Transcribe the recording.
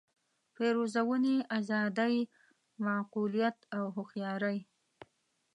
پېرزوینې آزادۍ معقولیت او هوښیارۍ.